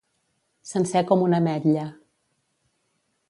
Sencer com una ametlla.